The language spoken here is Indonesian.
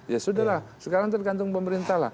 ya sudah lah sekarang tergantung pemerintah lah